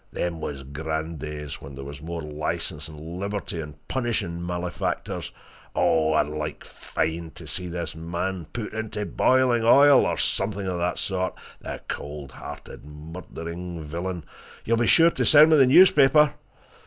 Them was grand days when there was more licence and liberty in punishing malefactors oh! I'd like fine to see this man put into boiling oil, or something of that sort, the cold hearted, murdering villain! You'll be sure to send me the newspaper?"